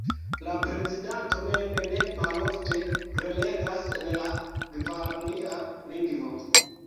La prezidanto mem ne malofte prelegas en la gvarania lingvo.